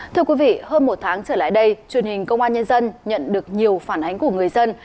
thưa quý vị hơn một tháng trở lại đây truyền hình công an nhân dân nhận được nhiều phản ánh của người dân